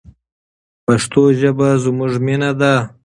پښتو ژبه زموږ مینه ده.